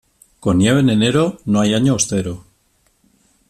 Con nieve en enero, no hay año austero.